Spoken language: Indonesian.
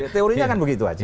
teorinya kan begitu aja